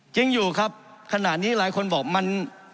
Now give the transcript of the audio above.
จริงอยู่ครับขณะนี้หลายคนบอกมัน